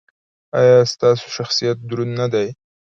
ایا ستاسو شخصیت دروند نه دی؟